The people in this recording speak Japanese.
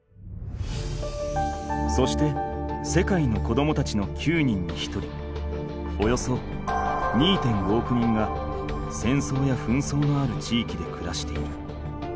そして世界の子どもたちの９人に１人およそ２．５億人が戦争や紛争のある地域で暮らしている。